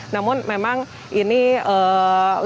namun memang ini lebih cepat